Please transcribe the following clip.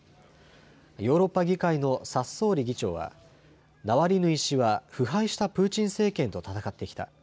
ヨーロッパ議会のサッソーリ議長はナワリヌイ氏は腐敗したプーチン政権と闘ってきた。